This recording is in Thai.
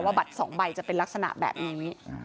บัตร๒ใบจะเป็นลักษณะแบบนี้